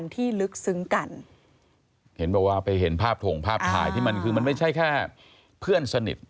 ถ่วงภาพถ่ายที่มันคือมันไม่ใช่แค่เพื่อนสนิท